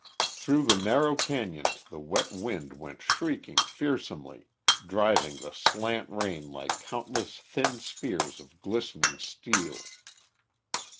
Through the narrow cañons the wet wind went shrieking fearsomely, driving the slant rain like countless thin spears of glistening steel.